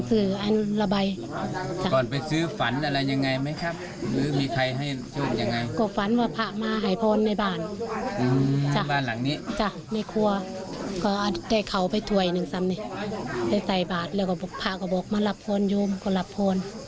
ก้อนไปซื้อฝันอะไรยังไงไม่ครับหรือยังมีใครให้โชคยังไง